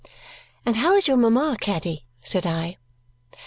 "And how is your mama, Caddy?" said I.